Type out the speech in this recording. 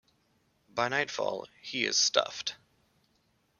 By nightfall, he is stuffed.